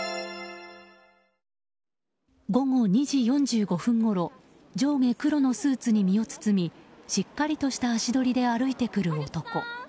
午後２時４５分ごろ上下黒のスーツに身を包みしっかりとした足取りで歩いて来る男。